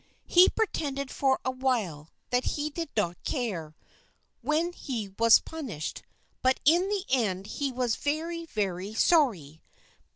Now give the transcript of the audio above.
He pretended for a while that he did not care, when he was punished, but in the end he was very, very sorry.